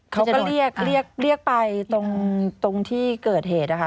เขาก็เรียกเรียกไปตรงที่เกิดเหตุนะคะ